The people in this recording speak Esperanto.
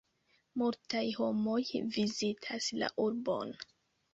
Multaj homoj vizitas la urbon.